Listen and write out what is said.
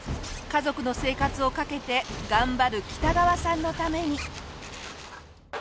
家族の生活をかけて頑張る北川さんのために。